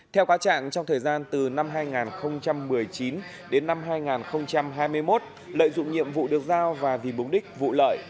theo quá trạng trong thời gian từ năm hai nghìn một mươi chín đến năm hai nghìn hai mươi một lợi dụng nhiệm vụ được giao và vì mục đích vụ lợi